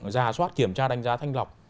ra soát kiểm tra đánh giá thanh lọc